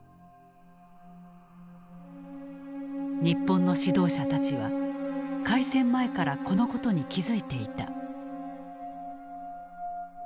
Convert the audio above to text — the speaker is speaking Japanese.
日本の指導者たちは開戦前からこのことに気付いていた。